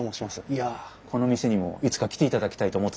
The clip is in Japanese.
いやこの店にもいつか来ていただきたいと思ってたんですが。